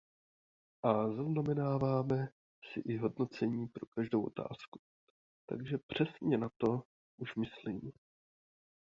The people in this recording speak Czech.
A zaznamenáváme si i hodnocení pro každou otázku, takže přesně na to už myslím.